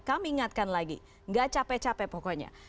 kami ingatkan lagi gak capek capek pokoknya